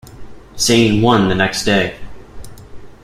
Sain won the next day.